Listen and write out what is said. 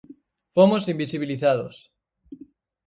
Fomos invisibilizados.